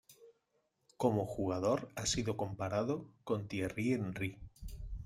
Como jugador ha sido comparado con Thierry Henry.